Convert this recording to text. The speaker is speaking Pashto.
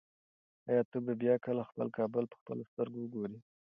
ایا ته به بیا کله خپل کابل په خپلو سترګو وګورې؟